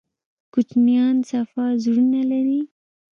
کوچنیان صفا زړونه لري